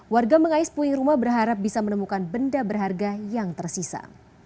warga mengais puing rumah berharap bisa menemukan benda berharga yang tersisa